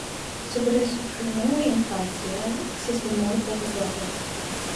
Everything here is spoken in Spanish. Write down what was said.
Sobre su primera infancia existen muy pocos datos.